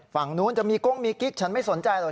ฝั่งนู้นจะมีก้งมีกิ๊กฉันไม่สนใจหรอก